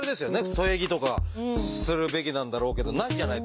添え木とかするべきなんだろうけどないじゃないですか。